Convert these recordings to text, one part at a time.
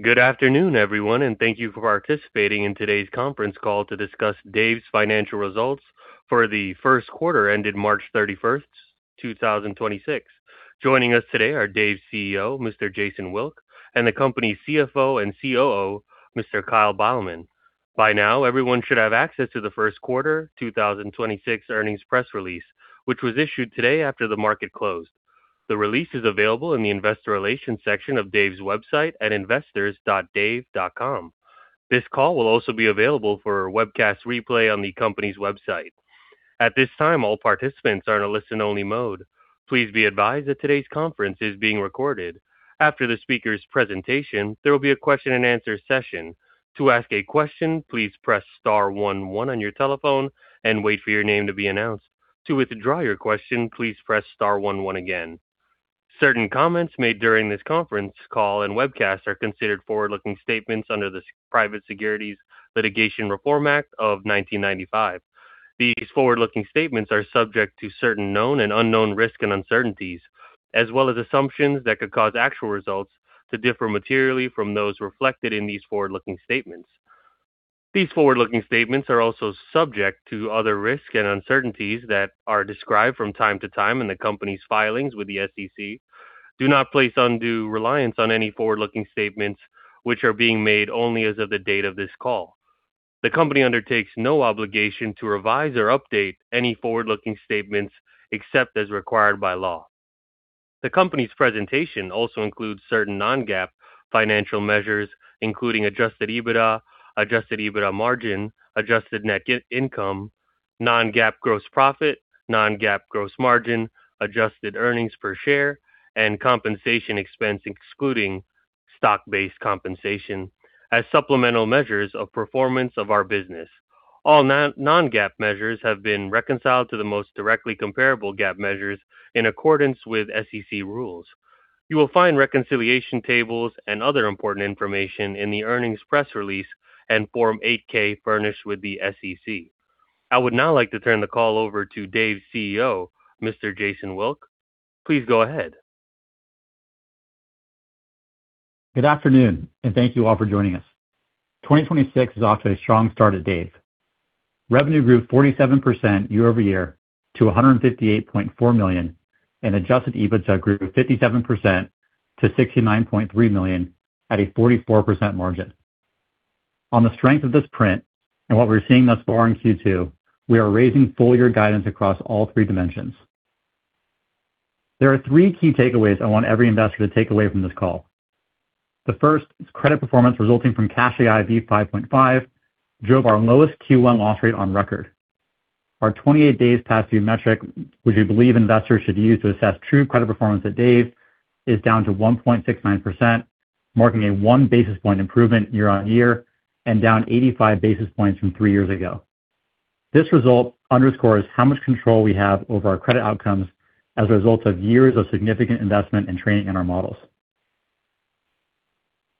Good afternoon, everyone, and thank you for participating in today's conference call to discuss Dave's financial results for the first quarter ended March 31, 2026. Joining us today are Dave's CEO, Mr. Jason Wilk, and the company's CFO and COO, Mr. Kyle Beilman. By now, everyone should have access to the first quarter 2026 earnings press release, which was issued today after the market closed. The release is available in the Investor Relations section of Dave's website at investors.dave.com. This call will also be available for webcast replay on the company's website. At this time, all participants are in a listen-only mode. Please be advised that today's conference is being recorded. After the speaker's presentation, there will be a question-and-answer session. To ask a question, please press Star 11 on your telephone and wait for your name to be announced. To withdraw your question, please press Star 11 again. Certain comments made during this conference call and webcast are considered forward-looking statements under the Private Securities Litigation Reform Act of 1995. These forward-looking statements are subject to certain known and unknown risks and uncertainties, as well as assumptions that could cause actual results to differ materially from those reflected in these forward-looking statements. These forward-looking statements are also subject to other risks and uncertainties that are described from time to time in the company's filings with the SEC. Do not place undue reliance on any forward-looking statements which are being made only as of the date of this call. The company undertakes no obligation to revise or update any forward-looking statements except as required by law. The company's presentation also includes certain non-GAAP financial measures, including adjusted EBITDA, adjusted EBITDA margin, adjusted net income, non-GAAP gross profit, non-GAAP gross margin, adjusted earnings per share, and compensation expense, excluding stock-based compensation as supplemental measures of performance of our business. All non-GAAP measures have been reconciled to the most directly comparable GAAP measures in accordance with SEC rules. You will find reconciliation tables and other important information in the earnings press release and Form 8-K furnished with the SEC. I would now like to turn the call over to Dave's CEO, Mr. Jason Wilk. Please go ahead. Good afternoon. Thank you all for joining us. 2026 is off to a strong start at Dave. Revenue grew 47% year-over-year to $158.4 million. Adjusted EBITDA grew 57% to $69.3 million at a 44% margin. On the strength of this print and what we're seeing thus far in Q2, we are raising full year guidance across all three dimensions. There are three key takeaways I want every investor to take away from this call. The first is credit performance resulting from CashAI v5.5 drove our lowest Q1 loss rate on record. Our 28 days past due metric, which we believe investors should use to assess true credit performance at Dave, is down to 1.69%, marking a one basis point improvement year-on-year and down 85 basis points from three years ago. This result underscores how much control we have over our credit outcomes as a result of years of significant investment in training and our models.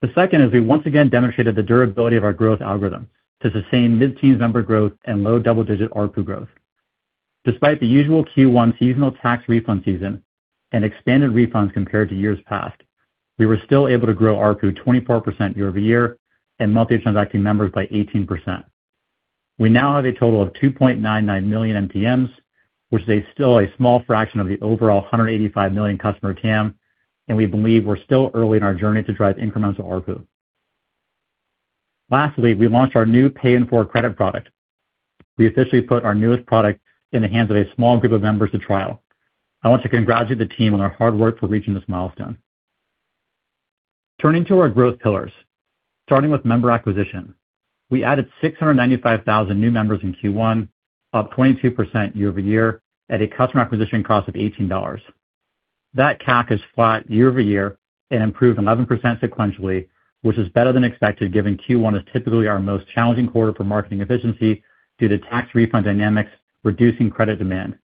The second is we once again demonstrated the durability of our growth algorithm to sustain mid-teen member growth and low double-digit ARPU growth. Despite the usual Q1 seasonal tax refund season and expanded refunds compared to years past, we were still able to grow ARPU 24% year-over-year and Monthly Transacting Members by 18%. We now have a total of 2.99 million MTMs, which is still a small fraction of the overall 185 million customer TAM. We believe we're still early in our journey to drive incremental ARPU. Lastly, we launched our new pay-in-four credit product. We officially put our newest product in the hands of a small group of members to trial. I want to congratulate the team on their hard work for reaching this milestone. Turning to our growth pillars. starting with member acquisition. We added 695,000 new members in Q1, up 22% year-over-year at a customer acquisition cost of $18. That CAC is flat year-over-year and improved 11% sequentially, which is better than expected given Q1 is typically our most challenging quarter for marketing efficiency due to tax refund dynamics reducing credit demand.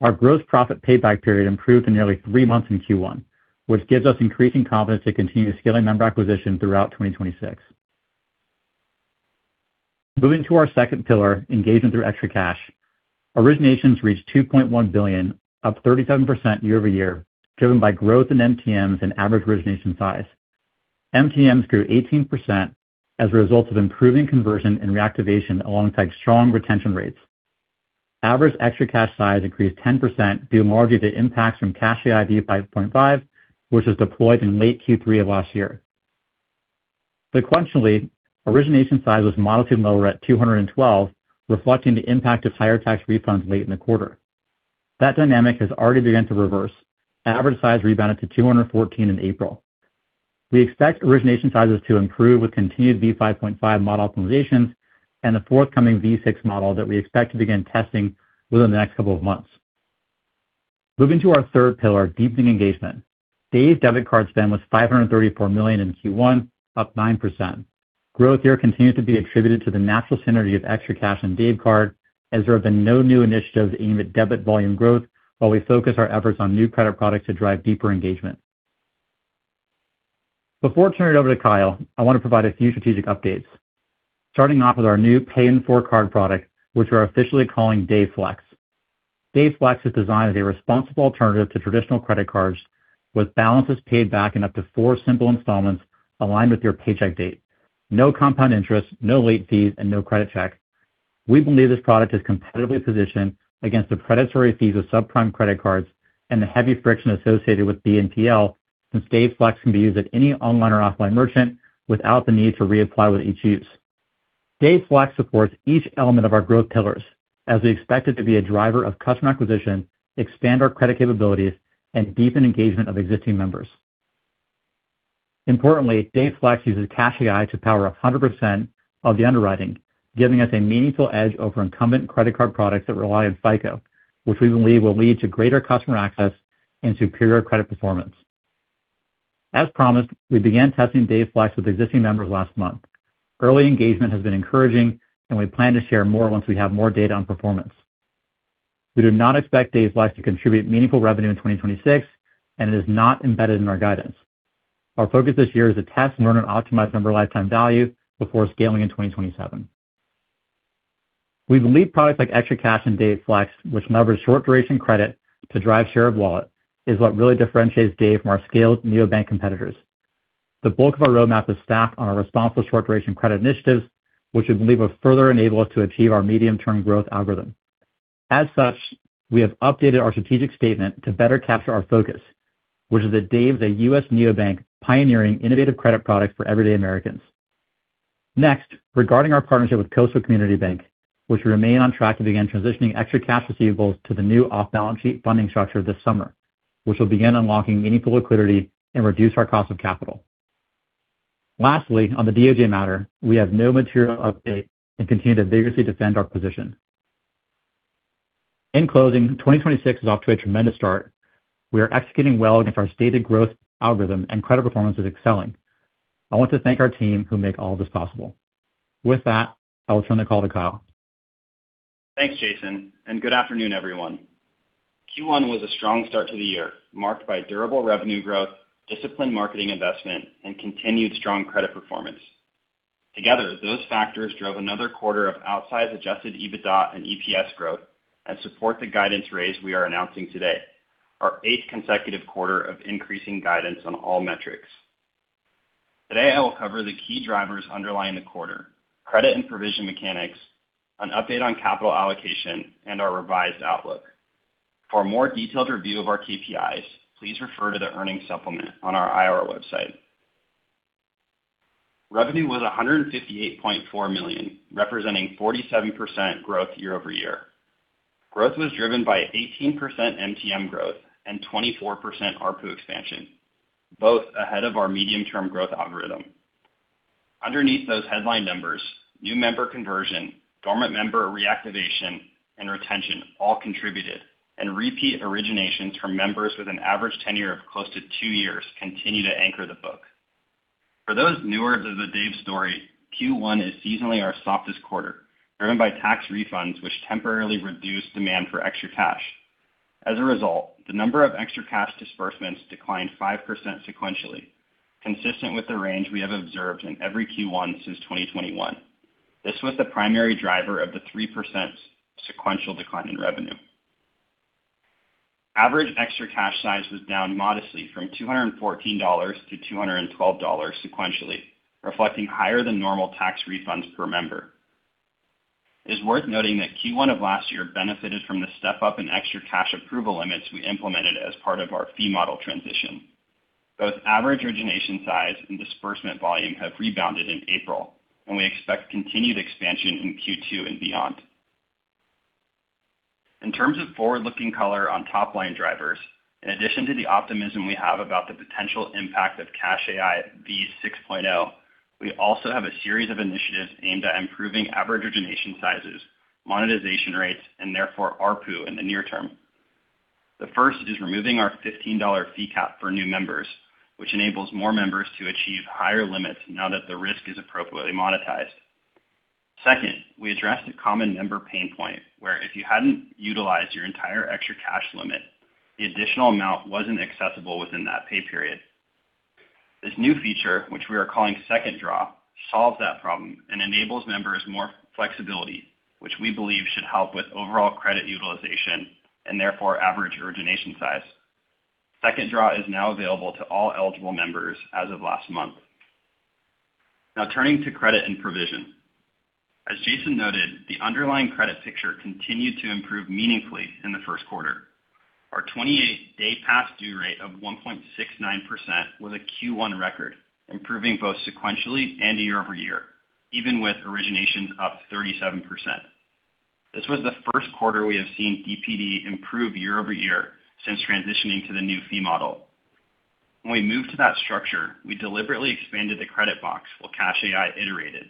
Our gross profit payback period improved to nearly three months in Q1, which gives us increasing confidence to continue scaling member acquisition throughout 2026. Moving to our second pillar, engagement through ExtraCash. Originations reached $2.1 billion, up 37% year-over-year, driven by growth in MTMs and average origination size. MTMs grew 18% as a result of improving conversion and reactivation alongside strong retention rates. Average ExtraCash size increased 10% due largely to impacts from CashAI v5.5, which was deployed in late Q3 of last year. Sequentially, origination size was modestly lower at 212, reflecting the impact of higher tax refunds late in the quarter. That dynamic has already begun to reverse. Average size rebounded to 214 in April. We expect origination sizes to improve with continued CashAI v5.5 model optimizations and the forthcoming CashAIv6.0 model that we expect to begin testing within the next couple of months. Moving to our third pillar, deepening engagement. Dave Card spend was $534 million in Q1, up 9%. Growth here continues to be attributed to the natural synergy of ExtraCash and Dave Card as there have been no new initiatives aimed at debit volume growth while we focus our efforts on new credit products to drive deeper engagement. Before turning it over to Kyle, I want to provide a few strategic updates. starting off with our new pay-in-four card product, which we're officially calling Dave Flex. Dave Flex is designed as a responsible alternative to traditional credit cards, with balances paid back in up to four simple installments aligned with your paycheck date. No compound interest, no late fees, and no credit check. We believe this product is competitively positioned against the predatory fees of subprime credit cards and the heavy friction associated with BNPL, since Dave Flex can be used at any online or offline merchant without the need to reapply with each use. Dave Flex supports each element of our growth pillars, as we expect it to be a driver of customer acquisition, expand our credit capabilities, and deepen engagement of existing members. Dave Flex uses Cash AI to power 100% of the underwriting, giving us a meaningful edge over incumbent credit card products that rely on FICO, which we believe will lead to greater customer access and superior credit performance. As promised, we began testing Dave Flex with existing members last month. Early engagement has been encouraging, and we plan to share more once we have more data on performance. We do not expect Dave Flex to contribute meaningful revenue in 2026, and it is not embedded in our guidance. Our focus this year is to test and learn and optimize member lifetime value before scaling in 2027. We believe products like ExtraCash and Dave Flex, which leverage short-duration credit to drive share of wallet, is what really differentiates Dave from our scaled neobank competitors. The bulk of our roadmap is stacked on our responsible short-duration credit initiatives, which we believe will further enable us to achieve our medium-term growth algorithm. As such, we have updated our strategic statement to better capture our focus, which is that Dave is a U.S. neobank pioneering innovative credit products for everyday Americans. Next, regarding our partnership with Coastal Community Bank, which we remain on track to begin transitioning ExtraCash receivables to the new off-balance sheet funding structure this summer, which will begin unlocking meaningful liquidity and reduce our cost of capital. Lastly, on the DOJ matter, we have no material update and continue to vigorously defend our position. In closing, 2026 is off to a tremendous start. We are executing well against our stated growth algorithm and credit performance is excelling. I want to thank our team who make all this possible. With that, I will turn the call to Kyle. Thanks, Jason, good afternoon, everyone. Q1 was a strong start to the year, marked by durable revenue growth, disciplined marketing investment, and continued strong credit performance. Together, those factors drove another quarter of outsized adjusted EBITDA and EPS growth and support the guidance raise we are announcing today, our eighth consecutive quarter of increasing guidance on all metrics. Today, I will cover the key drivers underlying the quarter, credit and provision mechanics, an update on capital allocation, and our revised outlook. For a more detailed review of our KPIs, please refer to the earnings supplement on our IR website. Revenue was $158.4 million, representing 47% growth year-over-year. Growth was driven by 18% MTM growth and 24% ARPU expansion, both ahead of our medium-term growth algorithm. Underneath those headline numbers, new member conversion, dormant member reactivation, and retention all contributed, and repeat originations from members with an average tenure of close to two years continue to anchor the book. For those newer to the Dave story, Q1 is seasonally our softest quarter, driven by tax refunds which temporarily reduce demand for ExtraCash. As a result, the number of ExtraCash disbursements declined 5% sequentially, consistent with the range we have observed in every Q1 since 2021. This was the primary driver of the 3% sequential decline in revenue. Average ExtraCash size was down modestly from $214 to $212 sequentially, reflecting higher than normal tax refunds per member. It is worth noting that Q1 of last year benefited from the step-up in ExtraCash approval limits we implemented as part of our fee model transition. Both average origination size and disbursement volume have rebounded in April, and we expect continued expansion in Q2 and beyond. In terms of forward-looking color on top-line drivers, in addition to the optimism we have about the potential impact of CashAI V6.0, we also have a series of initiatives aimed at improving average origination sizes, monetization rates, and therefore ARPU in the near term. The first is removing our $15 fee cap for new members, which enables more members to achieve higher limits now that the risk is appropriately monetized. Second, we addressed a common member pain point where if you hadn't utilized your entire ExtraCash limit, the additional amount wasn't accessible within that pay period. This new feature, which we are calling Second Draw, solves that problem and enables members more flexibility, which we believe should help with overall credit utilization and therefore average origination size. Second Draw is now available to all eligible members as of last month. Turning to credit and provision. As Jason noted, the underlying credit picture continued to improve meaningfully in the first quarter. Our 28-day past due rate of 1.69% was a Q1 record, improving both sequentially and year-over-year, even with originations up 37%. This was the first quarter we have seen DPD improve year-over-year since transitioning to the new fee model. When we moved to that structure, we deliberately expanded the credit box while Cash AI iterated.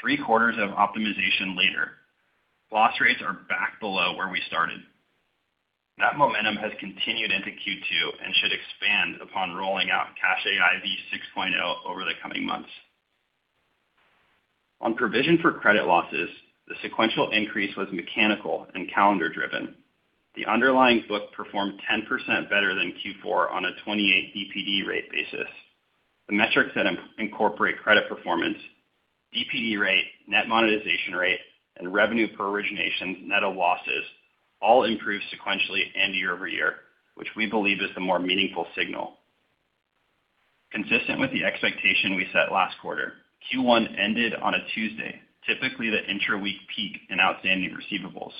Three quarters of optimization later, loss rates are back below where we started. That momentum has continued into Q2 and should expand upon rolling out CashAI V6.0 over the coming months. On provision for credit losses, the sequential increase was mechanical and calendar-driven. The underlying book performed 10% better than Q4 on a 28 DPD rate basis. The metrics that incorporate credit performance, DPD rate, net monetization rate, and revenue per originations, net of losses, all improved sequentially and year-over-year, which we believe is the more meaningful signal. Consistent with the expectation we set last quarter, Q1 ended on a Tuesday, typically the intra-week peak in outstanding receivables.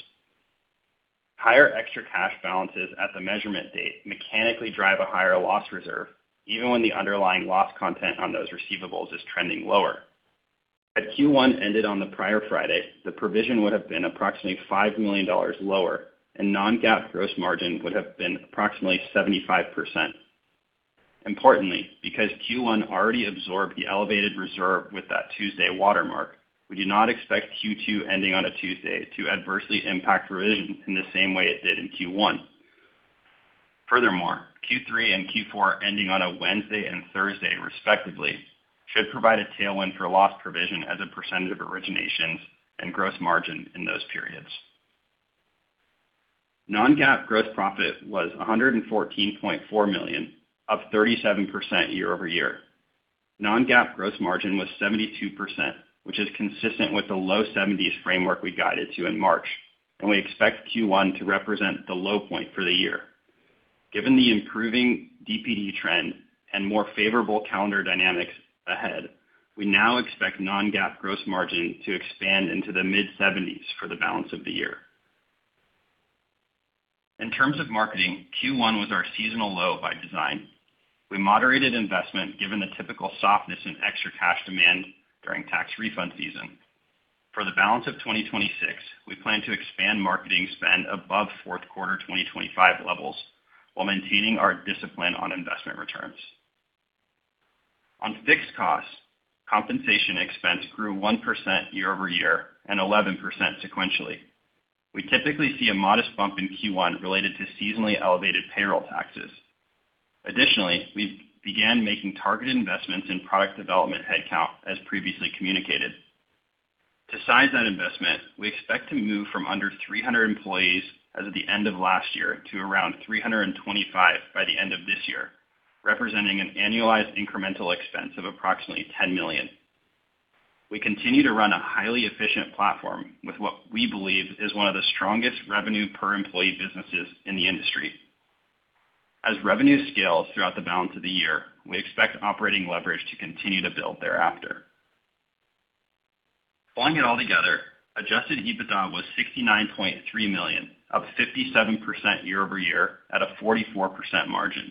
Higher ExtraCash balances at the measurement date mechanically drive a higher loss reserve, even when the underlying loss content on those receivables is trending lower. Had Q1 ended on the prior Friday, the provision would have been approximately $5 million lower and non-GAAP gross margin would have been approximately 75%. Importantly, because Q1 already absorbed the elevated reserve with that Tuesday watermark, we do not expect Q2 ending on a Tuesday to adversely impact provision in the same way it did in Q1. Furthermore, Q3 and Q4 ending on a Wednesday and Thursday, respectively, should provide a tailwind for loss provision as a percentage of originations and gross margin in those periods. Non-GAAP gross profit was $114.4 million, up 37% year-over-year. Non-GAAP gross margin was 72%, which is consistent with the low 70s framework we guided to in March, and we expect Q1 to represent the low point for the year. Given the improving DPD trend and more favorable calendar dynamics ahead, we now expect non-GAAP gross margin to expand into the mid-70s for the balance of the year. In terms of marketing, Q1 was our seasonal low by design. We moderated investment given the typical softness in ExtraCash demand during tax refund season. For the balance of 2026, we plan to expand marketing spend above fourth quarter 2025 levels while maintaining our discipline on investment returns. On fixed costs, compensation expense grew 1% year-over-year and 11% sequentially. We typically see a modest bump in Q1 related to seasonally elevated payroll taxes. Additionally, we've began making targeted investments in product development headcount, as previously communicated. To size that investment, we expect to move from under 300 employees as of the end of last year to around 325 by the end of this year, representing an annualized incremental expense of approximately $10 million. We continue to run a highly efficient platform with what we believe is one of the strongest revenue per employee businesses in the industry. As revenue scales throughout the balance of the year, we expect operating leverage to continue to build thereafter. Combining it all together, adjusted EBITDA was $69.3 million, up 57% year-over-year at a 44% margin.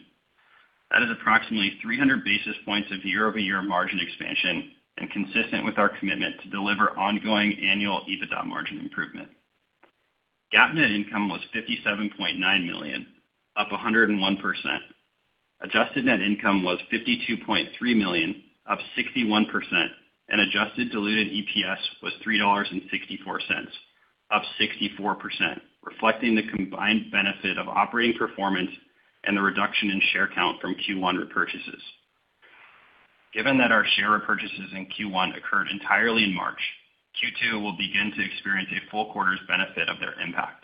That is approximately 300 basis points of year-over-year margin expansion and consistent with our commitment to deliver ongoing annual EBITDA margin improvement. GAAP net income was $57.9 million, up 101%. Adjusted net income was $52.3 million, up 61%. Adjusted diluted EPS was $3.64, up 64%, reflecting the combined benefit of operating performance and the reduction in share count from Q1 repurchases. Given that our share repurchases in Q1 occurred entirely in March, Q2 will begin to experience a full quarter's benefit of their impact.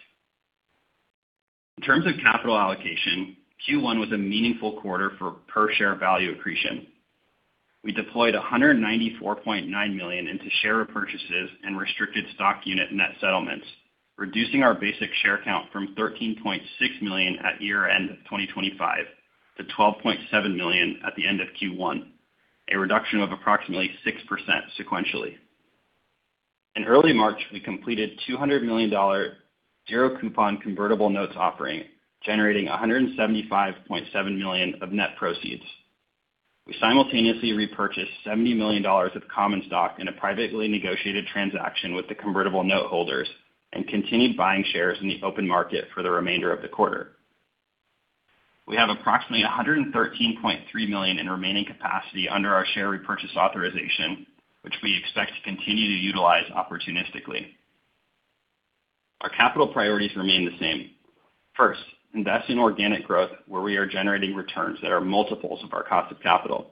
In terms of capital allocation, Q1 was a meaningful quarter for per-share value accretion. We deployed $194.9 million into share repurchases and restricted stock unit net settlements, reducing our basic share count from 13.6 million at year-end 2025 to 12.7 million at the end of Q1, a reduction of approximately 6% sequentially. In early March, we completed $200 million zero coupon convertible notes offering, generating $175.7 million of net proceeds. We simultaneously repurchased $70 million of common stock in a privately negotiated transaction with the convertible note holders and continued buying shares in the open market for the remainder of the quarter. We have approximately $113.3 million in remaining capacity under our share repurchase authorization, which we expect to continue to utilize opportunistically. Our capital priorities remain the same. First, invest in organic growth where we are generating returns that are multiples of our cost of capital.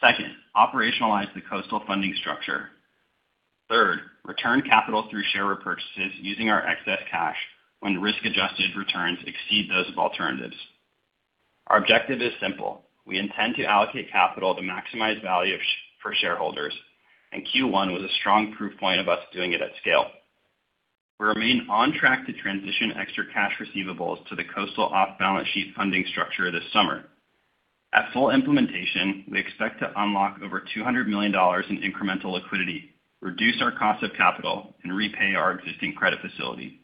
Second, operationalize the Coastal funding structure. Third, return capital through share repurchases using our excess cash when risk-adjusted returns exceed those of alternatives. Our objective is simple. We intend to allocate capital to maximize value per shareholders, and Q1 was a strong proof point of us doing it at scale. We remain on track to transition ExtraCash receivables to the Coastal off-balance sheet funding structure this summer. At full implementation, we expect to unlock over $200 million in incremental liquidity, reduce our cost of capital, and repay our existing credit facility.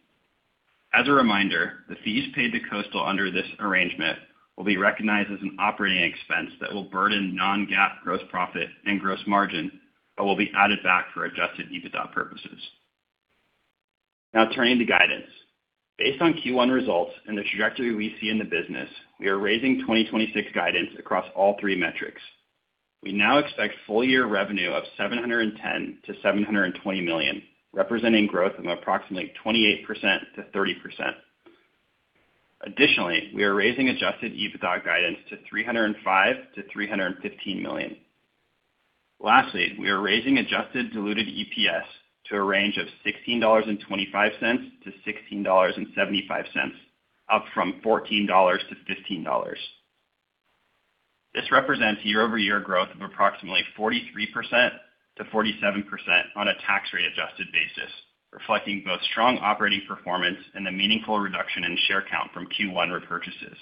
As a reminder, the fees paid to Coastal under this arrangement will be recognized as an operating expense that will burden non-GAAP gross profit and gross margin but will be added back for adjusted EBITDA purposes. Now turning to guidance. Based on Q1 results and the trajectory we see in the business, we are raising 2026 guidance across all three metrics. We now expect full year revenue of $710 million-$720 million, representing growth of approximately 28%-30%. Additionally, we are raising adjusted EBITDA guidance to $305 million-$315 million. Lastly, we are raising adjusted diluted EPS to a range of $16.25-$16.75, up from $14-$15. This represents year-over-year growth of approximately 43%-47% on a tax rate adjusted basis, reflecting both strong operating performance and the meaningful reduction in share count from Q1 repurchases.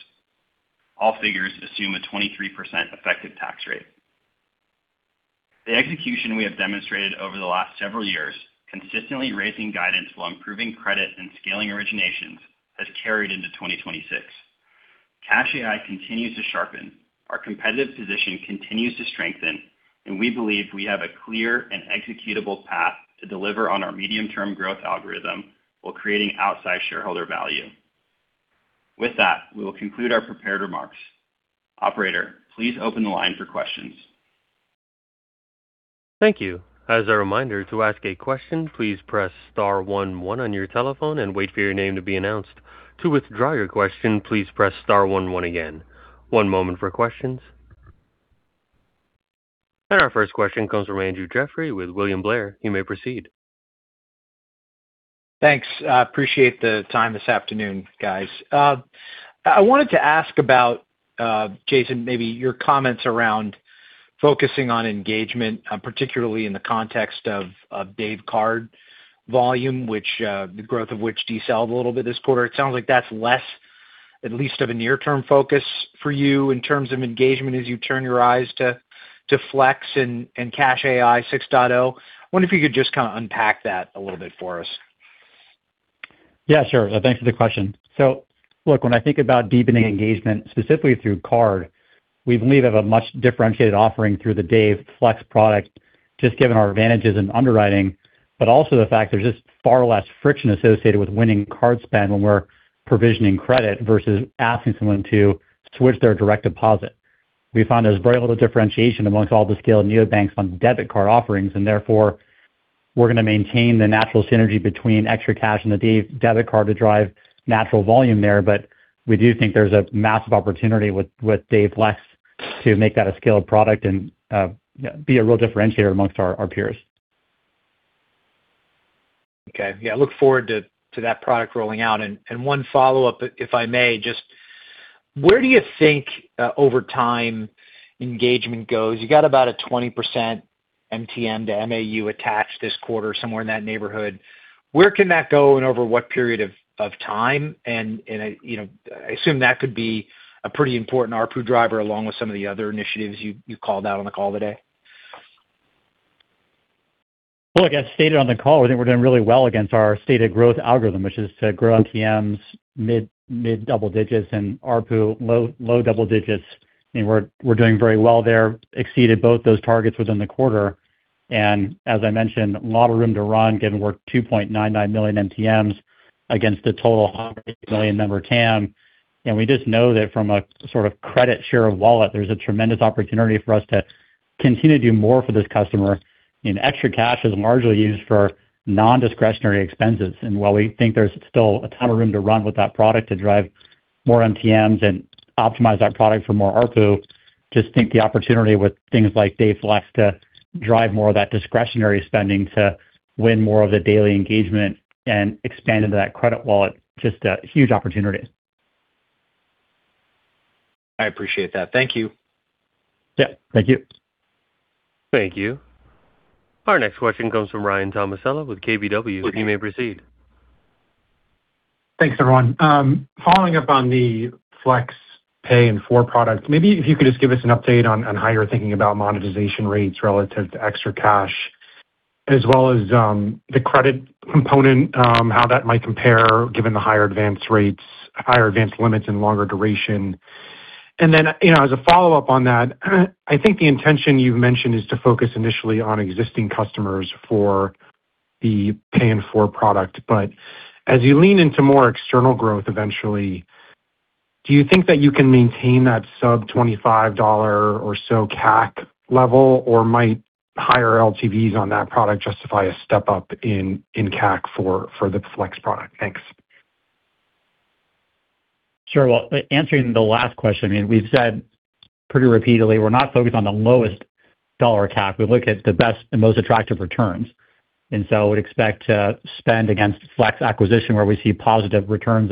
All figures assume a 23% effective tax rate. The execution we have demonstrated over the last several years, consistently raising guidance while improving credit and scaling originations, has carried into 2026. Cash AI continues to sharpen. Our competitive position continues to strengthen, and we believe we have a clear and executable path to deliver on our medium-term growth algorithm while creating outsized shareholder value. With that, we will conclude our prepared remarks. Operator, please open the line for questions. Thank you. Our first question comes from Andrew Jeffrey with William Blair. You may proceed. Thanks. I appreciate the time this afternoon, guys. I wanted to ask about Jason, maybe your comments around focusing on engagement, particularly in the context of Dave Card volume, which the growth of which decelerated a little bit this quarter. It sounds like that's less at least of a near-term focus for you in terms of engagement as you turn your eyes to Flex and CashAI V6.0. Wonder if you could just kind of unpack that a little bit for us. Yeah, sure. Thanks for the question. When I think about deepening engagement, specifically through card, we believe have a much differentiated offering through the Dave Flex product, just given our advantages in underwriting, but also the fact there's just far less friction associated with winning card spend when we're provisioning credit versus asking someone to switch their direct deposit. We found there's very little differentiation amongst all the scaled neobanks on debit card offerings, and therefore we're going to maintain the natural synergy between ExtraCash and the Dave Card to drive natural volume there. We do think there's a massive opportunity with Dave Flex to make that a scaled product and be a real differentiator amongst our peers. Okay. Yeah, I look forward to that product rolling out. One follow-up, if I may, just where do you think over time engagement goes? You got about a 20% MTM to MAU attached this quarter, somewhere in that neighborhood. Where can that go and over what period of time? You know, I assume that could be a pretty important ARPU driver along with some of the other initiatives you called out on the call today. Look, as stated on the call, I think we're doing really well against our stated growth algorithm, which is to grow MTMs mid-double digits and ARPU low, low double digits. I mean, we're doing very well there. Exceeded both those targets within the quarter. As I mentioned, a lot of room to run, given we're 2.99 million MTMs against a total 100 million-member TAM. We just know that from a sort of credit share of wallet, there's a tremendous opportunity for us to continue to do more for this customer. ExtraCash is largely used for non-discretionary expenses. While we think there's still a ton of room to run with that product to drive more MTMs and optimize our product for more ARPU, just think the opportunity with things like Dave Flex to drive more of that discretionary spending to win more of the daily engagement and expand into that credit wallet, just a huge opportunity. I appreciate that. Thank you. Yeah. Thank you. Thank you. Our next question comes from Ryan Tomasello witth KBW. You may proceed. Thanks, everyone. Following up on the Flex pay-in-four products, maybe if you could just give us an update on how you're thinking about monetization rates relative to ExtraCash, as well as the credit component, how that might compare given the higher advance rates, higher advance limits and longer duration. You know, as a follow-up on that, I think the intention you've mentioned is to focus initially on existing customers for the Pay and Four product. As you lean into more external growth eventually, do you think that you can maintain that sub $25 or so CAC level, or might higher LTVs on that product justify a step-up in CAC for the Flex product? Thanks. Sure. Well, answering the last question, I mean, we've said pretty repeatedly, we're not focused on the lowest dollar CAC. We look at the best and most attractive returns. I would expect to spend against Flex acquisition where we see positive returns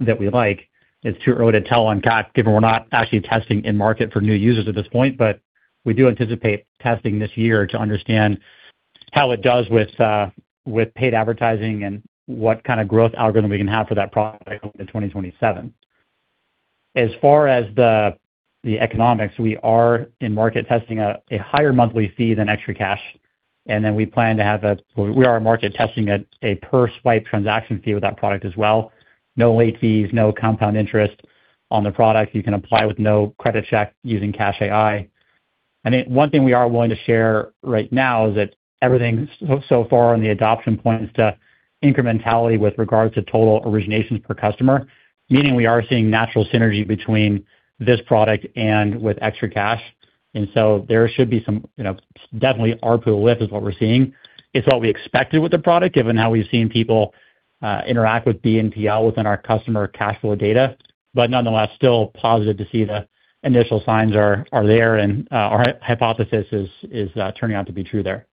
that we like. It's too early to tell on CAC, given we're not actually testing in market for new users at this point. We do anticipate testing this year to understand how it does with paid advertising and what kind of growth algorithm we can have for that product in 2027. As far as the economics, we are in market testing a higher monthly fee than ExtraCash. We are market testing a per swipe transaction fee with that product as well. No late fees, no compound interest on the product. You can apply with no credit check using Cash AI. I think one thing we are willing to share right now is that everything so far on the adoption points to incrementality with regards to total originations per customer, meaning we are seeing natural synergy between this product and with ExtraCash. There should be some, you know, definitely ARPU lift is what we're seeing. It's what we expected with the product, given how we've seen people interact with BNPL within our customer cash flow data. Still positive to see the initial signs are there and our hypothesis is turning out to be true there.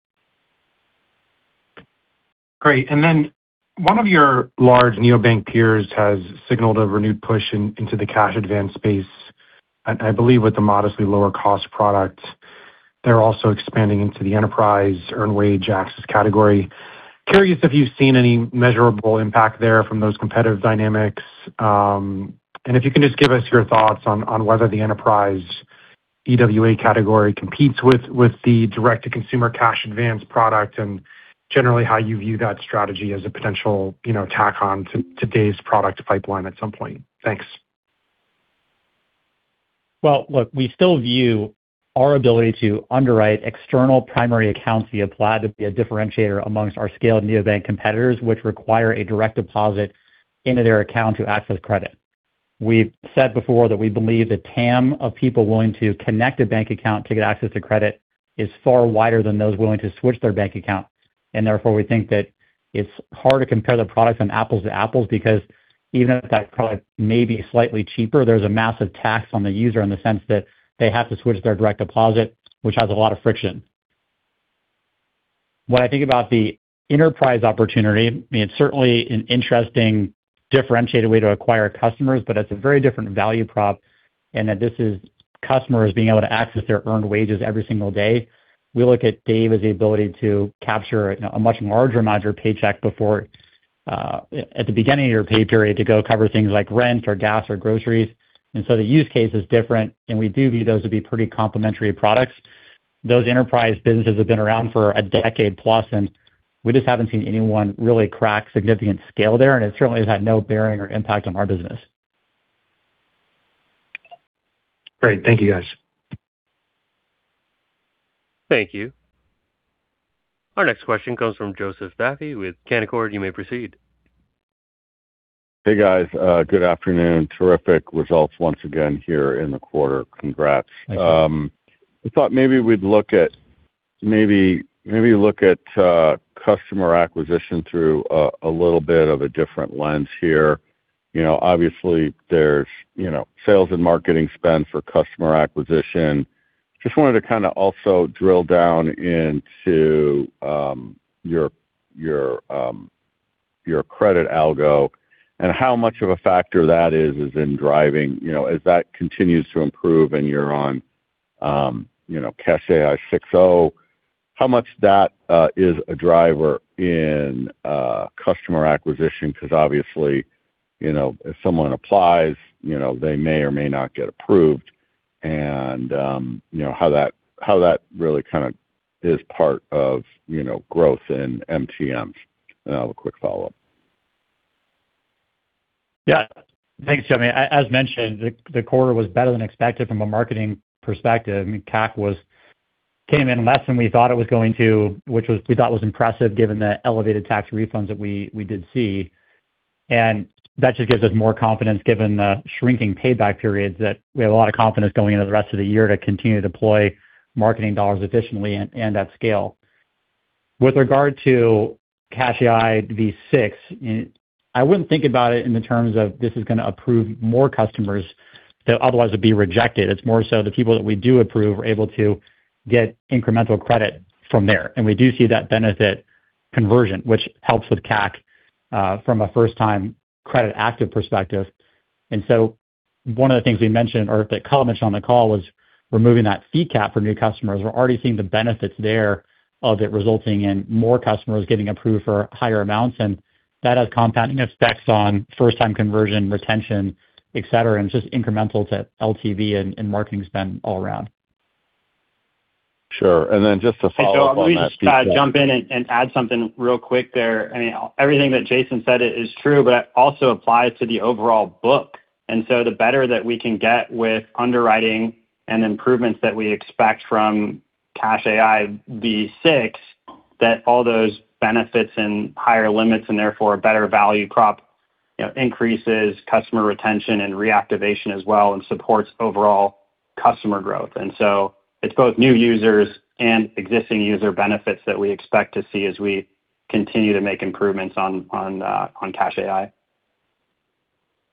Great. One of your large neobank peers has signaled a renewed push into the cash advance space, I believe with a modestly lower cost product. They're also expanding into the enterprise earned wage access category. Curious if you've seen any measurable impact there from those competitive dynamics. If you can just give us your thoughts on whether the enterprise EWA category competes with the direct to consumer cash advance product, and generally how you view that strategy as a potential, you know, tack on to today's product pipeline at some point. Thanks. Look, we still view our ability to underwrite external primary accounts via Plaid to be a differentiator amongst our scaled neobank competitors, which require a direct deposit into their account to access credit. We've said before that we believe the TAM of people willing to connect a bank account to get access to credit is far wider than those willing to switch their bank account. Therefore, we think that it's hard to compare the products from apples to apples because even if that product may be slightly cheaper, there's a massive tax on the user in the sense that they have to switch their direct deposit, which has a lot of friction. When I think about the enterprise opportunity, I mean, it's certainly an interesting differentiated way to acquire customers, but it's a very different value prop in that this is customers being able to access their earned wages every single day. We look at Dave as the ability to capture a much larger amount of your paycheck before, at the beginning of your pay period to go cover things like rent or gas or groceries. The use case is different, and we do view those to be pretty complementary products. Those enterprise businesses have been around for a decade plus, and we just haven't seen anyone really crack significant scale there, and it certainly has had no bearing or impact on our business. Great. Thank you, guys. Thank you. Our next question comes from Joseph Vafi with Canaccord. You may proceed. Hey, guys. Good afternoon. Terrific results once again here in the quarter. Congrats. Thank you. I thought we'd look at customer acquisition through a little bit of a different lens here. You know, obviously there's, you know, sales and marketing spend for customer acquisition. Just wanted to kind of also drill down into your, your credit algo and how much of a factor that is as in driving, you know, as that continues to improve and you're on, you know, CashAI 6.0, how much that is a driver in customer acquisition. 'Cause obviously, you know, if someone applies, you know, they may or may not get approved and, you know, how that, how that really kind of is part of, you know, growth in MTMs. I have a quick follow-up. Thanks, Joseph. I mean, as mentioned, the quarter was better than expected from a marketing perspective. I mean, CAC came in less than we thought it was going to, which we thought was impressive given the elevated tax refunds that we did see. That just gives us more confidence given the shrinking payback periods that we have a lot of confidence going into the rest of the year to continue to deploy marketing dollars efficiently and at scale. With regard to CashAI V6.0, I wouldn't think about it in the terms of this is going to approve more customers that otherwise would be rejected. It's more so the people that we do approve are able to get incremental credit from there. We do see that benefit conversion, which helps with CAC from a first-time credit active perspective. One of the things we mentioned or that Kyle mentioned on the call was removing that fee cap for new customers. We're already seeing the benefits there of it resulting in more customers getting approved for higher amounts, and that has compounding effects on first-time conversion, retention, et cetera. It's just incremental to LTV and marketing spend all around. Sure. Then just to follow up on that. Hey, Joe. Let me just jump in and add something real quick there. I mean, everything that Jason said is true, but it also applies to the overall book. The better that we can get with underwriting and improvements that we expect from CashAI V6.0, that all those benefits and higher limits, and therefore a better value prop, you know, increases customer retention and reactivation as well, and supports overall customer growth. It's both new users and existing user benefits that we expect to see as we continue to make improvements on CashAI.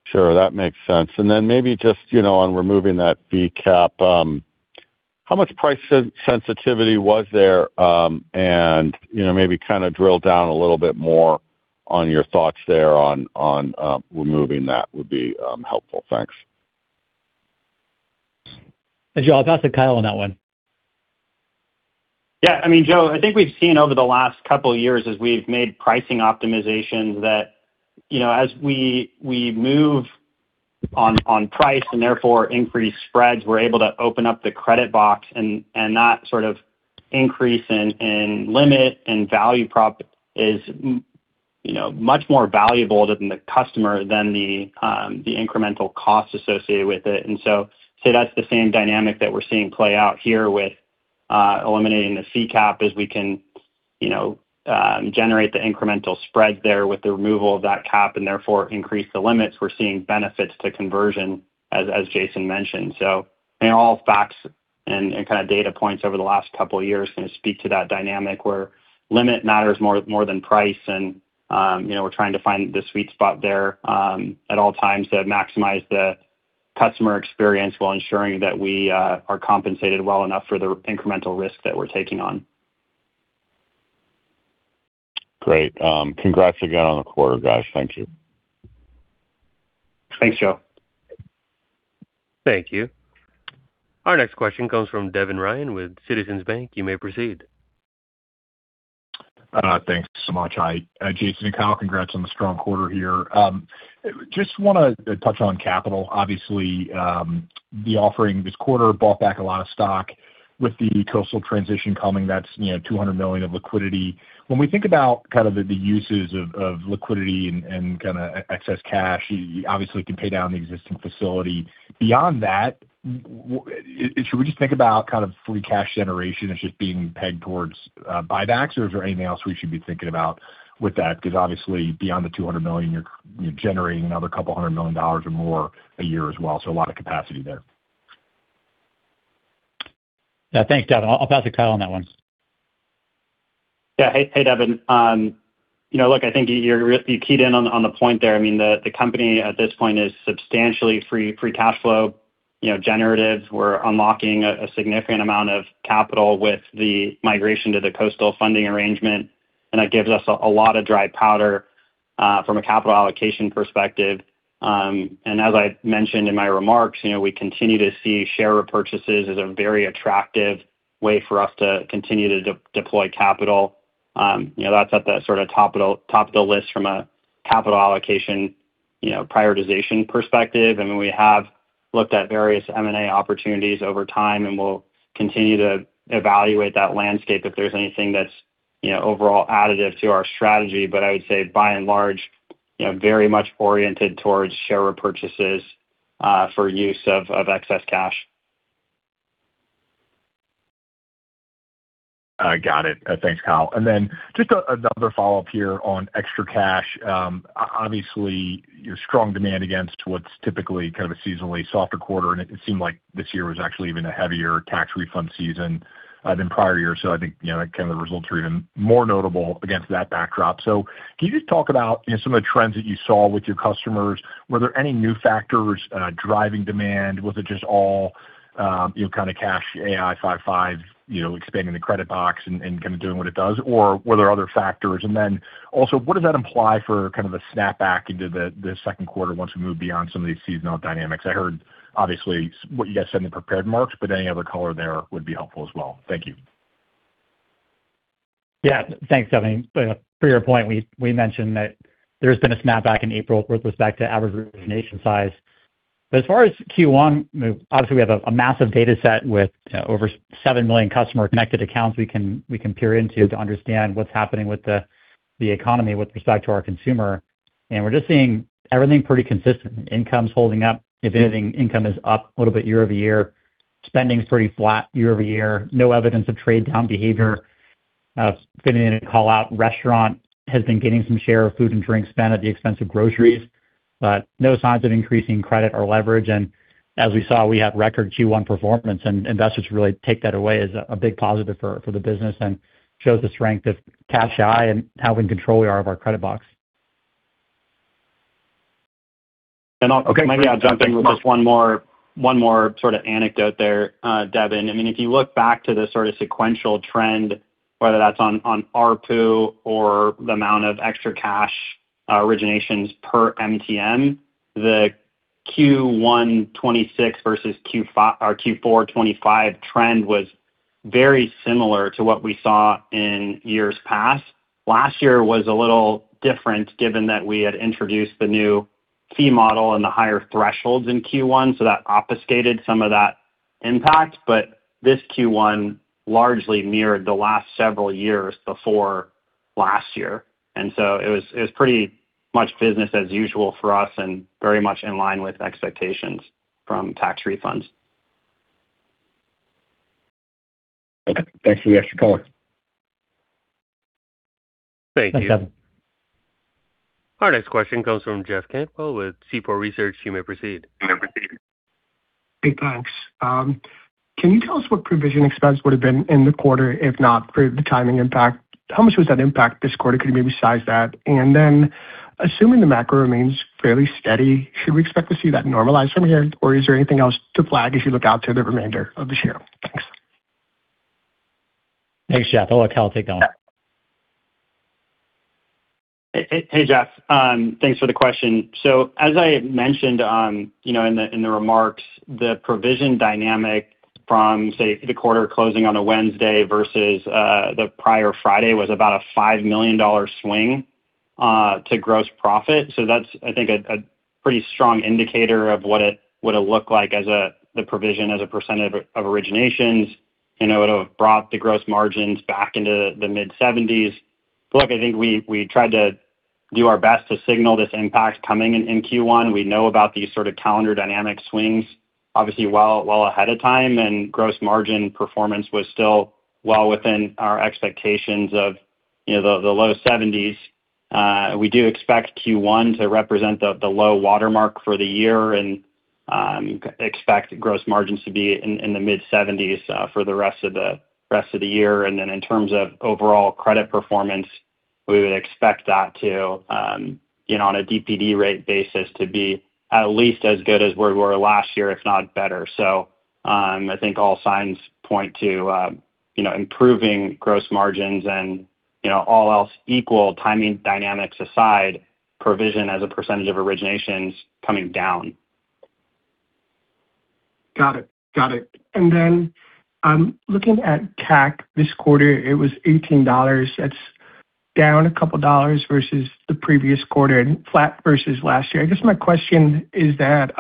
Sure. That makes sense. Maybe just, you know, on removing that fee cap, how much price sensitivity was there? You know, maybe kind of drill down a little bit more on your thoughts there on removing that would be helpful. Thanks. Hey, Joseph, I'll pass to Kyle on that one. Yeah. I mean, Joseph, I think we've seen over the last couple of years as we've made pricing optimizations that, you know, as we move on price and therefore increase spreads, we're able to open up the credit box and that sort of increase in limit and value prop is, you know, much more valuable to the customer than the incremental cost associated with it. I'd say that's the same dynamic that we're seeing play out here with eliminating the fee cap, is we can, you know, generate the incremental spread there with the removal of that cap and therefore increase the limits. We're seeing benefits to conversion as Jason mentioned. I mean, all facts and kind of data points over the last couple of years kind of speak to that dynamic where limit matters more than price. you know, we're trying to find the sweet spot there, at all times. Customer experience while ensuring that we are compensated well enough for the incremental risk that we're taking on. Great. Congrats again on the quarter, guys. Thank you. Thanks, Joseph. Thank you. Our next question comes from Devin Ryan with Citizens JMP. You may proceed. Thanks so much. Hi. Jason and Kyle, congrats on the strong quarter here. Just wanna touch on capital. Obviously, the offering this quarter bought back a lot of stock. With the Coastal transition coming, that's, you know, $200 million of liquidity. When we think about kind of the uses of liquidity and kinda excess cash, you obviously can pay down the existing facility. Beyond that, what should we just think about kind of free cash generation as just being pegged towards buybacks, or is there anything else we should be thinking about with that? Obviously beyond the $200 million, you're generating another couple hundred million dollars or more a year as well, so a lot of capacity there. Yeah. Thanks, Devin. I'll pass to Kyle on that one. Hey, hey, Devin. You know, look, I think you keyed in on the point there. I mean, the company at this point is substantially free cashflow, you know, generative. We're unlocking a significant amount of capital with the migration to the coastal funding arrangement. That gives us a lot of dry powder from a capital allocation perspective. As I mentioned in my remarks, you know, we continue to see share repurchases as a very attractive way for us to continue to de-deploy capital. You know, that's at the sorta top of the list from a capital allocation, you know, prioritization perspective. I mean, we have looked at various M&A opportunities over time. We'll continue to evaluate that landscape if there's anything that's, you know, overall additive to our strategy. I would say by and large, you know, very much oriented towards share repurchases, for use of excess cash. Got it. Thanks, Kyle. Just another follow-up here on ExtraCash. Obviously, your strong demand against what's typically kind of a seasonally softer quarter, and it seemed like this year was actually even a heavier tax refund season than prior years. I think, you know, kind of the results are even more notable against that backdrop. Can you just talk about, you know, some of the trends that you saw with your customers? Were there any new factors driving demand? Was it just all, you know, kind of CashAI v5.5, you know, expanding the credit box and kind of doing what it does, or were there other factors? Then also, what does that imply for kind of a snapback into the second quarter once we move beyond some of these seasonal dynamics? I heard obviously what you guys said in the prepared remarks. Any other color there would be helpful as well. Thank you. Yeah. Thanks, Devin. For your point, we mentioned that there's been a snapback in April with respect to average origination size. As far as Q1, you know, obviously we have a massive data set with, you know, over seven million customer connected accounts we can peer into to understand what's happening with the economy with respect to our consumer. We're just seeing everything pretty consistent. Income's holding up. If anything, income is up a little bit year-over-year. Spending's pretty flat year-over-year. No evidence of trade-down behavior. Fitting in and call out restaurant has been gaining some share of food and drink spend at the expense of groceries. No signs of increasing credit or leverage. As we saw, we have record Q1 performance, and investors really take that away as a big positive for the business and shows the strength of CashAI and how in control we are of our credit box. And I'll- Okay. Maybe I'll jump in with just one more sorta anecdote there, Devin. I mean, if you look back to the sorta sequential trend, whether that's on ARPU or the amount of ExtraCash originations per MTM, the Q1 2026 versus Q4 2025 trend was very similar to what we saw in years past. Last year was a little different given that we had introduced the new fee model and the higher thresholds in Q1, that obfuscated some of that impact. This Q1 largely mirrored the last several years before last year. It was pretty much business as usual for us and very much in line with expectations from tax refunds. Okay. Thanks for the extra color. Thank you. Thanks, Devin. Our next question comes from Jeff Cantwell with Seaport Research Partners. You may proceed. Hey, thanks. Can you tell us what provision expense would've been in the quarter if not for the timing impact? How much was that impact this quarter? Could you maybe size that? Assuming the macro remains fairly steady, should we expect to see that normalize from here, or is there anything else to flag as you look out to the remainder of the year? Thanks. Thanks, Jeff. I'll let Kyle take that one. Hey, Jeff. Thanks for the question. As I mentioned, you know, in the remarks, the provision dynamic from, say, the quarter closing on a Wednesday versus the prior Friday was about a $5 million swing to gross profit. That's, I think, a pretty strong indicator of what it would look like as the provision as a % of originations. You know, it would've brought the gross margins back into the mid-70s%. Look, I think we tried to do our best to signal this impact coming in Q1. We know about these sort of calendar dynamic swings obviously well ahead of time, gross margin performance was still well within our expectations of, you know, the low 70s%. We do expect Q1 to represent the low watermark for the year and expect gross margins to be in the mid-70s for the rest of the year. In terms of overall credit performance We would expect that to, you know, on a DPD rate basis to be at least as good as we were last year, if not better. I think all signs point to, you know, improving gross margins and, you know, all else equal timing dynamics aside, provision as a percentage of originations coming down. Got it. Got it. Looking at CAC this quarter, it was $18. That's down a couple of dollars versus the previous quarter and flat versus last year. I guess my question is that,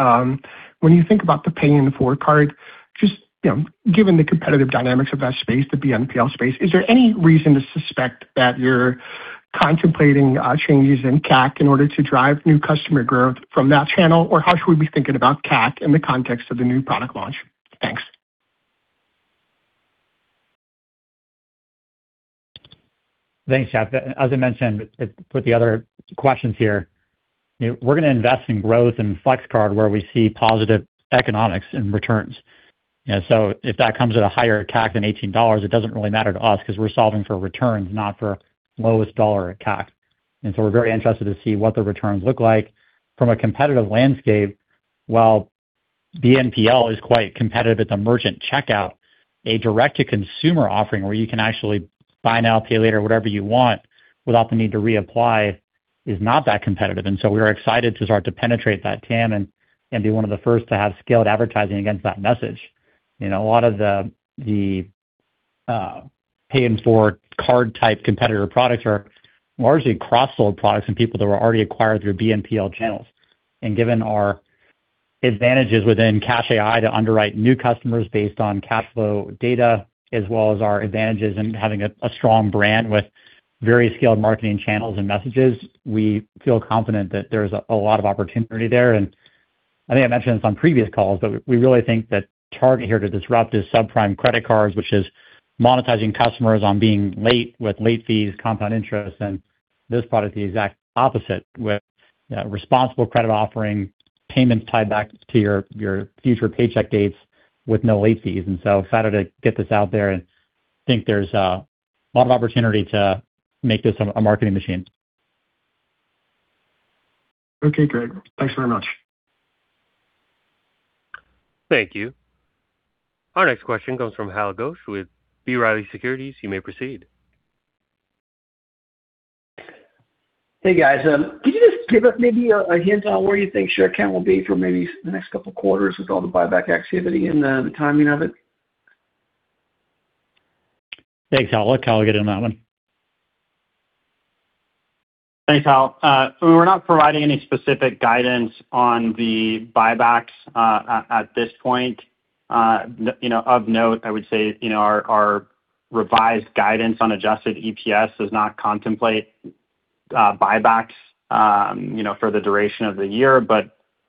when you think about the pay-in-four card, just, you know, given the competitive dynamics of that space, the BNPL space, is there any reason to suspect that you're contemplating changes in CAC in order to drive new customer growth from that channel? How should we be thinking about CAC in the context of the new product launch? Thanks. Thanks, Jeff. As I mentioned with the other questions here, you know, we're going to invest in growth and Flex Card where we see positive economics in returns. You know, if that comes at a higher CAC than $18, it doesn't really matter to us because we're solving for returns, not for lowest dollar CAC. We're very interested to see what the returns look like. From a competitive landscape, while BNPL is quite competitive at the merchant checkout, a direct-to-consumer offering where you can actually buy now, pay later, whatever you want, without the need to reapply is not that competitive. We are excited to start to penetrate that TAM and be one of the first to have scaled advertising against that message. You know, a lot of the pay-in-four card type competitor products are largely cross-sold products and people that were already acquired through BNPL channels. Given our advantages within Cash AI to underwrite new customers based on cash flow data, as well as our advantages in having a strong brand with various scaled marketing channels and messages, we feel confident that there's a lot of opportunity there. I think I mentioned this on previous calls, but we really think that target here to disrupt is subprime credit cards, which is monetizing customers on being late with late fees, compound interest, and this product is the exact opposite, with, you know, responsible credit offering, payments tied back to your future paycheck dates with no late fees. Excited to get this out there and think there's a lot of opportunity to make this a marketing machine. Okay, great. Thanks very much. Thank you. Our next question comes from Harold Goetsch with B. Riley Securities. You may proceed. Hey, guys. Could you just give us a hint on where you think share count will be for the next couple quarters with all the buyback activity and the timing of it? Thanks, Hal. I'll let Kyle get in on that one. Thanks, Harold. We're not providing any specific guidance on the buybacks at this point. You know, of note, I would say, you know, our revised guidance on adjusted EPS does not contemplate buybacks, you know, for the duration of the year.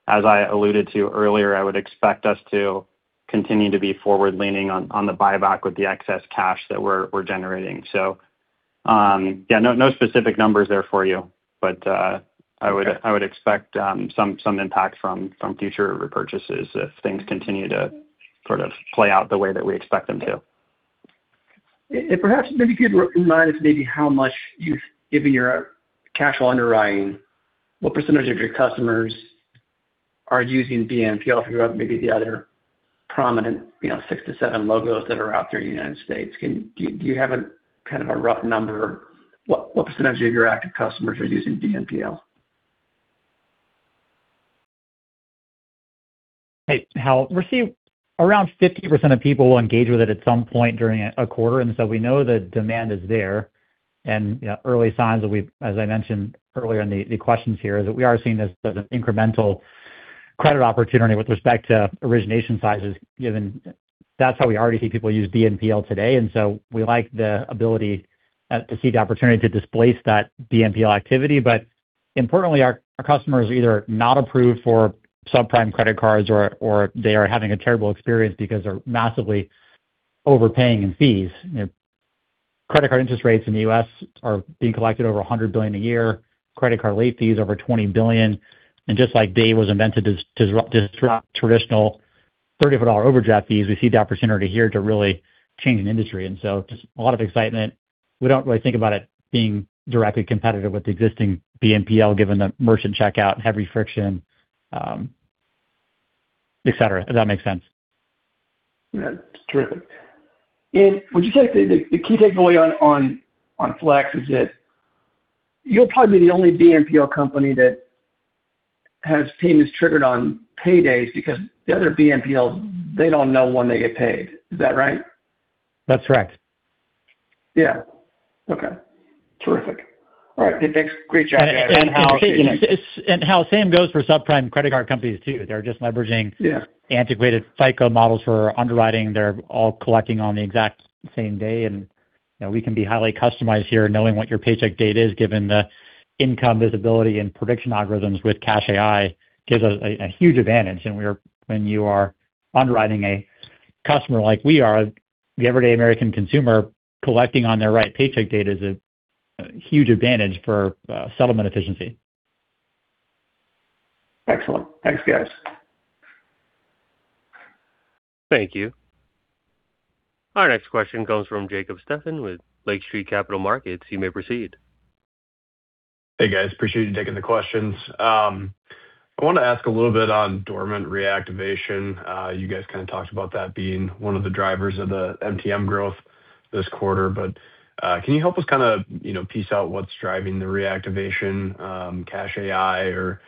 As I alluded to earlier, I would expect us to continue to be forward leaning on the buyback with the excess cash that we're generating. Yeah, no specific numbers there for you. Okay. I would expect some impact from future repurchases if things continue to sort of play out the way that we expect them to. If perhaps maybe you could remind us maybe how much you given your cash flow underwriting, what percentage of your customers are using BNPL throughout maybe the other prominent, you know, 6 to 7 logos that are out there in the U.S.? Do you have a kind of a rough number what percentage of your active customers are using BNPL? Hey, Harold Goetsch. We're seeing around 50% of people engage with it at some point during a quarter, we know the demand is there. As I mentioned earlier in the questions here, we are seeing this as an incremental credit opportunity with respect to origination sizes, given that's how we already see people use BNPL today. We like the ability to see the opportunity to displace that BNPL activity. Importantly, our customers either are not approved for subprime credit cards or they are having a terrible experience because they're massively overpaying in fees. Credit card interest rates in the U.S. are being collected over $100 billion a year. Credit card late fees over $20 billion. Just like Dave was invented to disrupt traditional $34 overdraft fees, we see the opportunity here to really change an industry. Just a lot of excitement. We don't really think about it being directly competitive with existing BNPL, given the merchant checkout, heavy friction, et cetera. Does that make sense? Yeah. Terrific. Would you say the key takeaway on Flex is that you'll probably be the only BNPL company that has payments triggered on paydays because the other BNPL, they don't know when they get paid. Is that right? That's correct. Yeah. Okay. Terrific. All right. Hey, thanks. Great job, guys. Hal-. Harold, same goes for subprime credit card companies too. They're just leveraging- Yeah. antiquated FICO models for underwriting. They're all collecting on the exact same day. You know, we can be highly customized here knowing what your paycheck date is, given the income visibility and prediction algorithms with Cash AI gives us a huge advantage. When you are underwriting a customer like we are, the everyday American consumer collecting on their right paycheck date is a huge advantage for settlement efficiency. Excellent. Thanks, guys. Thank you. Our next question comes from Jacob Stephan with Lake Street Capital Markets. You may proceed. Hey, guys. Appreciate you taking the questions. I wanna ask a little bit on dormant reactivation. You guys kinda talked about that being one of the drivers of the MTM growth this quarter, but, can you help us kinda, you know, piece out what's driving the reactivation, Cash AI or,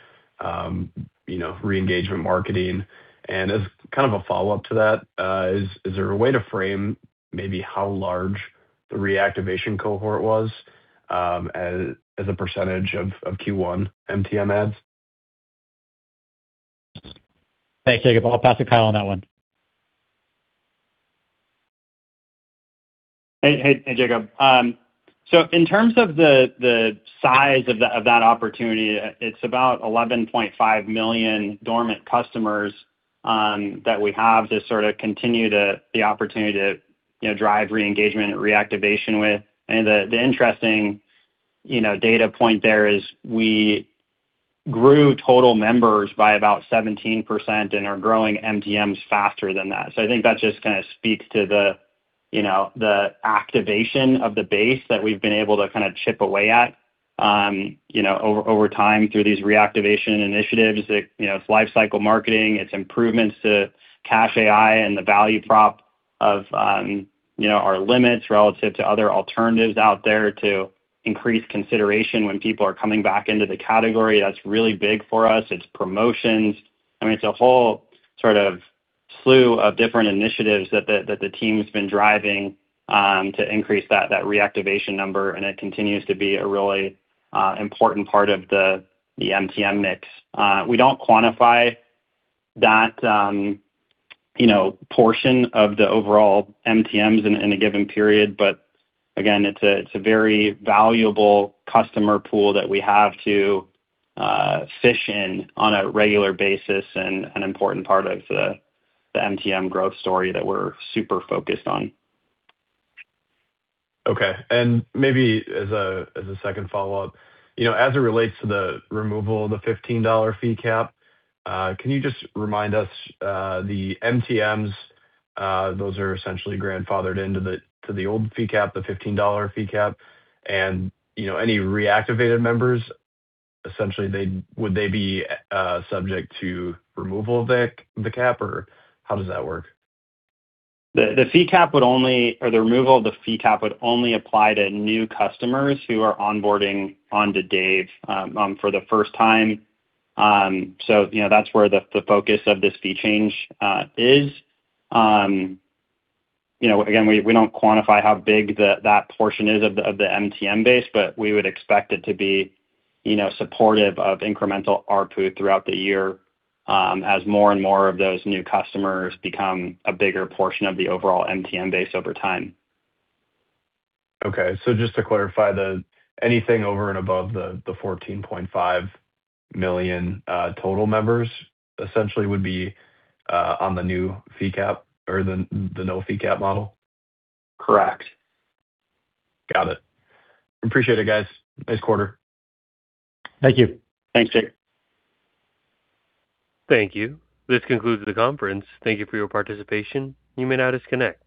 you know, re-engagement marketing? As kind of a follow-up to that, is there a way to frame maybe how large the reactivation cohort was, as a % of Q1 MTM ads? Thanks, Jacob. I'll pass to Kyle on that one. Hey, hey, Jacob. In terms of the size of that opportunity, it's about 11.5 million dormant customers that we have to sort of continue to the opportunity to, you know, drive re-engagement and reactivation with. The interesting, you know, data point there is we grew total members by about 17% and are growing MTMs faster than that. I think that just kind of speaks to the, you know, the activation of the base that we've been able to kind of chip away at, you know, over time through these reactivation initiatives. It, you know, it's lifecycle marketing, it's improvements to Cash AI and the value prop of, you know, our limits relative to other alternatives out there to increase consideration when people are coming back into the category. That's really big for us. It's promotions. I mean, it's a whole sort of slew of different initiatives that the team's been driving to increase that reactivation number, and it continues to be a really important part of the MTM mix. We don't quantify that, you know, portion of the overall MTMs in a given period, but again, it's a very valuable customer pool that we have to fish in on a regular basis and an important part of the MTM growth story that we're super focused on. Okay. Maybe as a second follow-up. You know, as it relates to the removal of the $15 fee cap, can you just remind us, the MTMs, those are essentially grandfathered into the old fee cap, the $15 fee cap. You know, any reactivated members, essentially would they be subject to removal of the cap or how does that work? The removal of the fee cap would only apply to new customers who are onboarding onto Dave for the first time. You know, that's where the focus of this fee change is. You know, again, we don't quantify how big that portion is of the MTM base, but we would expect it to be, you know, supportive of incremental ARPU throughout the year as more and more of those new customers become a bigger portion of the overall MTM base over time. Just to clarify, anything over and above the $14.5 million total members essentially would be on the new fee cap or the no fee cap model? Correct. Got it. Appreciate it, guys. Nice quarter. Thank you. Thanks, Jacob. Thank you. This concludes the conference. Thank you for your participation. You may now disconnect.